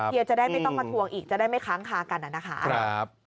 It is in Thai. จะได้ไม่ต้องมาทวงอีกจะได้ไม่ค้างคากันนะคะ